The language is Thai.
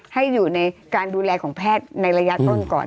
ให้อยู่ในการดูแลของแพทย์ในระยะต้นก่อน